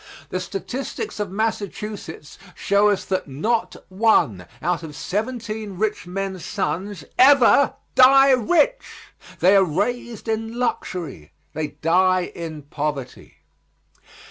The statistics of Massachusetts show us that not one out of seventeen rich men's sons ever die rich. They are raised in luxury, they die in poverty.